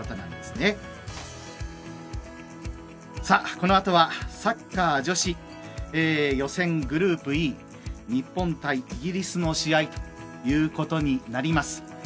このあとは、サッカー女子予選グループＥ日本対イギリスの試合ということになります。